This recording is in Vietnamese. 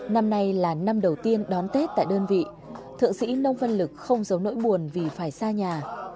năm nay là năm đầu tiên đón tết tại đơn vị thượng sĩ nông văn lực không giấu nỗi buồn vì phải xa nhà